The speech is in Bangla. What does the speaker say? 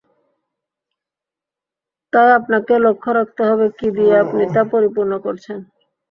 তাই আপনাকে লক্ষ্য রাখতে হবে কি দিয়ে আপনি তা পরিপূর্ণ করছেন!